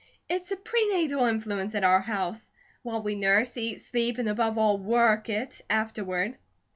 It's a pre natal influence at our house; while we nurse, eat, sleep, and above all, WORK it, afterward."